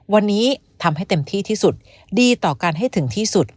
วันนี้ทำให้เต็มที่ที่สุดดีต่อกันให้ถึงที่สุด